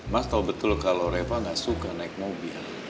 mas tahu betul kalau reva gak suka naik mobil